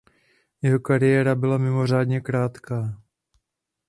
Jeho kariéra byla mimořádně krátká.